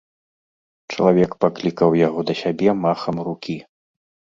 Чалавек паклікаў яго да сябе махам рукі.